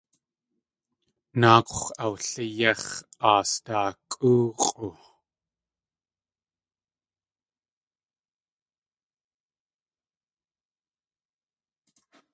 Náakwx̲ awliyéx̲ aasdaakʼóox̲ʼu.